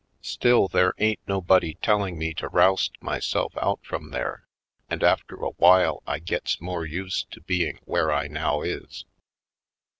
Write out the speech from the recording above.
Still, there ain't nobody telling me to roust my self out from there and after a while I gets more used to being where I now is.